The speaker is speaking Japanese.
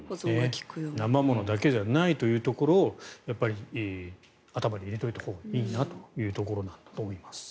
生ものだけじゃないというところを頭に入れておいたほうがいいなというところなんだと思います。